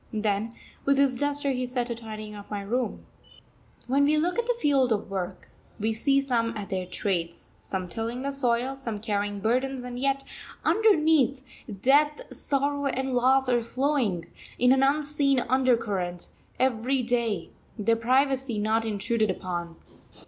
Then, with his duster, he set to tidying up my room. When we look at the field of work, we see some at their trades, some tilling the soil, some carrying burdens, and yet underneath, death, sorrow, and loss are flowing, in an unseen undercurrent, every day, their privacy not intruded upon.